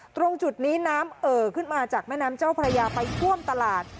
ตรงจุดนี้น้ำเอ่อขึ้นมาจากแม่น้ำเจ้าพระยาไปท่วมตลาด